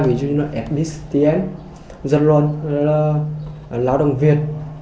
vì chúng là sbtn dân luân lào đồng việt